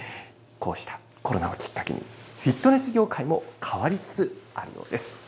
こうしたコロナをきっかけに、フィットネス業界も変わりつつあるようです。